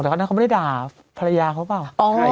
แต่เขาไม่ได้ด่าภรรยาเขาเปล่า